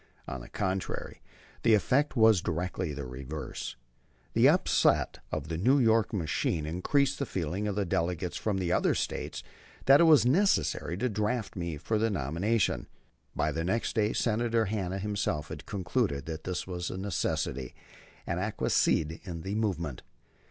On the contrary, the effect was directly the reverse. The upset of the New York machine increased the feeling of the delegates from other States that it was necessary to draft me for the nomination. By next day Senator Hanna himself concluded that this was a necessity, and acquiesced in the movement.